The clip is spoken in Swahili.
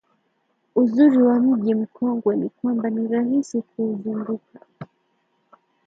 Uzuri wa Mji Mkongwe ni kwamba ni rahisi kuuzunguka